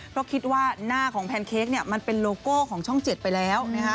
เพราะคิดว่าหน้าของแพนเค้กมันเป็นโลโก้ของช่อง๗ไปแล้ว